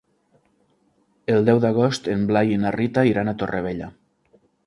El deu d'agost en Blai i na Rita iran a Torrevella.